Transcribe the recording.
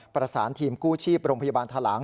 ประสานทีมกู้ชีพโรงพยาบาลทะลัง